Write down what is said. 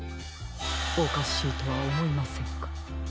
おかしいとはおもいませんか？